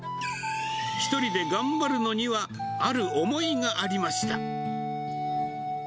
１人で頑張るのにはある思いがありました。